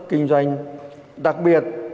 kinh doanh đặc biệt